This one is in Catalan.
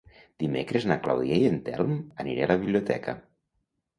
Dimecres na Clàudia i en Telm aniré a la biblioteca.